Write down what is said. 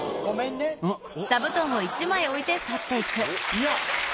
いや。